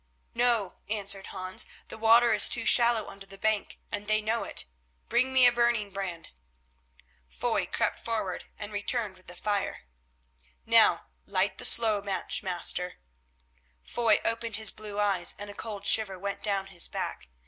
"No," answered Hans, "the water is too shallow under the bank, and they know it. Bring me a burning brand." Foy crept forward, and returned with the fire. "Now light the slow match, master." Foy opened his blue eyes and a cold shiver went down his back.